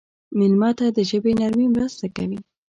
مېلمه ته د ژبې نرمي مرسته کوي.